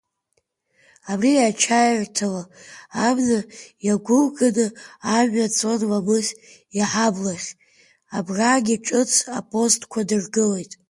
Абри ачаирҭала абна иагәылганы амҩа цон Ламыс иҳаблахь, абраагьы ҿыц апостқәа дыргылеит.